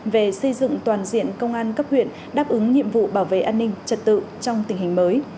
về xây dựng toàn diện công an cấp huyện đáp ứng nhiệm vụ bảo vệ an ninh trật tự trong tình hình mới